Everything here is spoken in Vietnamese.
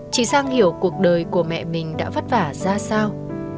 chị sang hiểu cuộc đời của mẹ mình đã vất vả ra sao